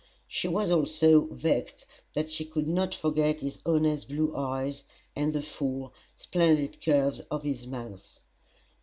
She was also vexed that she could not forget his honest blue eyes, and the full, splendid curves of his mouth.